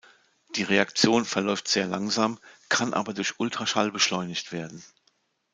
Die Reaktion verläuft sehr langsam, kann aber durch Ultraschall beschleunigt werden.